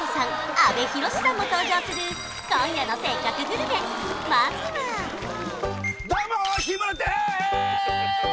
阿部寛さんも登場する今夜のせっかくグルメまずはどうも日村です！